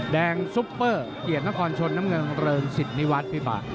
ซุปเปอร์เกียรตินครชนน้ำเงินเริงสิทธินิวัฒน์พี่บาท